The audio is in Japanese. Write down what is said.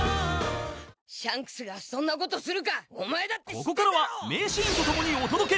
［ここからは名シーンと共にお届け。